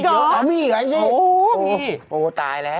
โอ้โฮตายแล้ว